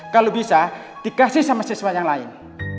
kalau bisa dikasih sama siswa yang lain